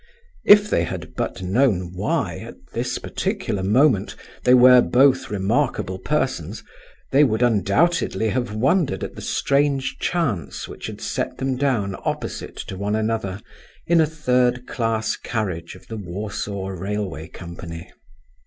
If they had but known why, at this particular moment, they were both remarkable persons, they would undoubtedly have wondered at the strange chance which had set them down opposite to one another in a third class carriage of the Warsaw Railway Company.